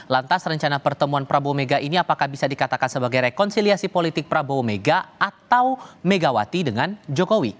lantas rencana pertemuan prabowo mega ini apakah bisa dikatakan sebagai rekonsiliasi politik prabowo mega atau megawati dengan jokowi